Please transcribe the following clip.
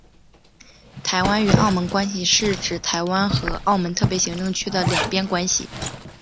台湾与澳门关系是指台湾和澳门特别行政区的双边关系。